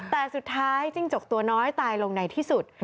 แต่สุดท้ายจิ้งจกตัวน้อยตายลงในที่สุด